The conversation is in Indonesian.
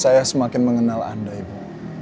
saya semakin mengenal anda ibu